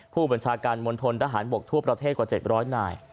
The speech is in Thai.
ผู้บัญชาการมณฑนทหารบกทั่วประเทศกว่า๗๐๐นาย